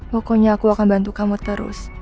pokoknya aku akan bantu kamu terus